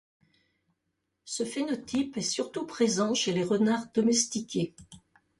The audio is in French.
Ce phénotype est surtout présent chez les renards domestiqués.